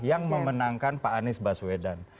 yang memenangkan pak anies baswedan